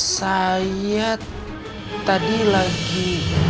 saya tadi lagi